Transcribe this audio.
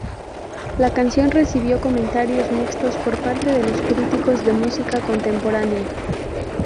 La canción recibió comentarios mixtos por parte de los críticos de música contemporánea.